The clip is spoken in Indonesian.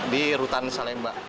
di rutan salemba